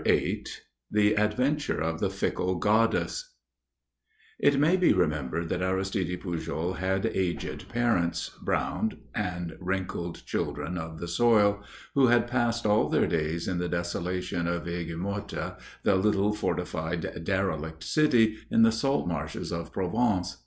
VIII THE ADVENTURE OF THE FICKLE GODDESS It may be remembered that Aristide Pujol had aged parents, browned and wrinkled children of the soil, who had passed all their days in the desolation of Aigues Mortes, the little fortified, derelict city in the salt marshes of Provence.